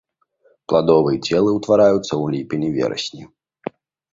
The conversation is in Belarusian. Пладовыя целы ўтвараюцца ў ліпені-верасні.